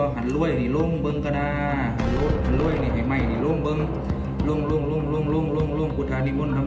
หันล้วยหันล้วยหันล้วยหันล้วยหันล้วยหันล้วยหันล้วย